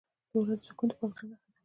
• د ورځې سکون د پاک زړه نښه ده.